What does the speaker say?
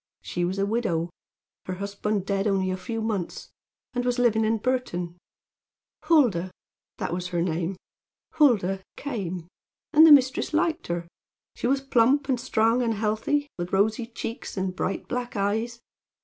She was a widow; her husband dead only a few months; and was living in Burton. Huldah that was her name Huldah came; and the mistress liked her. She was plump, and strong, and healthy, with rosy cheeks and bright black eyes.